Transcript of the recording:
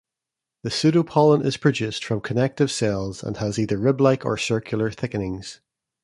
The pseudopollen is produced from connective cells, and has either rib-like or circular thickenings.